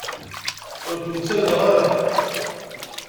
Ur kem-ttalleɣ ara.